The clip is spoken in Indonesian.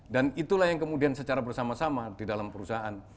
dan itulah yang kemudian secara bersama sama di dalam perusahaan